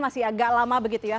masih agak lama begitu ya